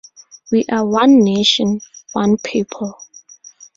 We are one nation, one people.